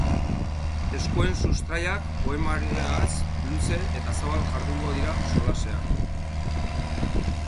Eskuen sustraiak poemarioaz luze eta zabal jardungo dira solasean.